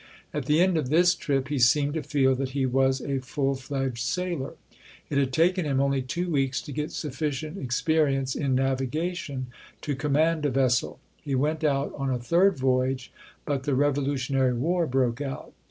At the end of this trip, he seemed to feel that he was a full fledged sailor. It had taken him only two weeks to get sufficient experience in navigation to command a vessel. He went out on a third voyage, but the Revolutionary War broke out.